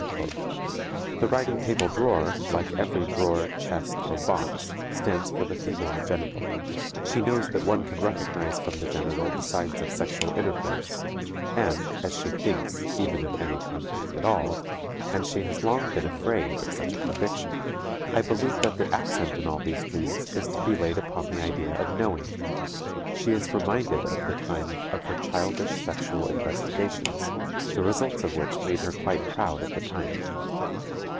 _" The writing table drawer, like every drawer, chest, or box, stands for the female genital. She knows that one can recognize from the genital the signs of sexual intercourse (and, as she thinks, even of any contact at all) and she has long been afraid of such a conviction. I believe that the accent in all these dreams is to be laid upon the idea of knowing. She is reminded of the time of her childish sexual investigations, the results of which made her quite proud at the time.